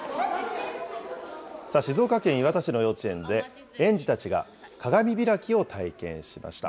静岡県磐田市の幼稚園で、園児たちが鏡開きを体験しました。